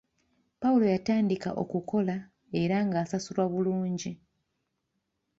Pawulo yatandika okukola era ng'asasulwa bulungi.